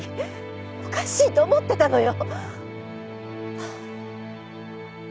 おかしいと思ってたのよ。